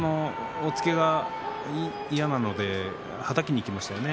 その押っつけが嫌なのではたきにいきましたよね